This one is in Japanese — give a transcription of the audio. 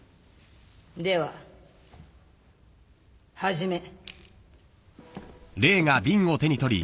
では始め。